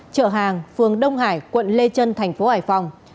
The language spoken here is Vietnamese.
chợ hàng phường đông hải quận lê trân tp hải phòng